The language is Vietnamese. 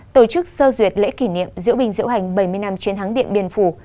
tổ chức sơ duyệt lễ kỷ niệm diễu bình diễu hành bảy mươi năm chiến thắng điện biên phủ